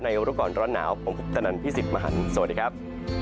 ในโอกาสร้อนหนาวผมคุณตะนันท์พี่สิทธิ์มหันต์สวัสดีครับ